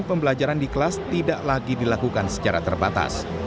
pembelajaran di kelas tidak lagi dilakukan secara terbatas